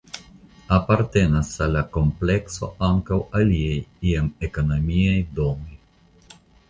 Apartenas al la komplekso ankaŭ aliaj iam ekonomiaj domoj.